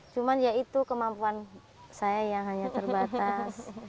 cuman ya itu kemampuan saya yang hanya terbatas